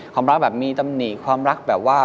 ความรักแบบมีตำหนิความรักแบบว่า